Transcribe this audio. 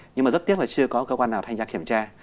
nhưng mà rất tiếc là chưa có cơ quan nào thanh tra kiểm tra